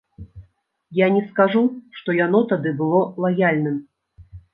Я не скажу, што яно тады было лаяльным.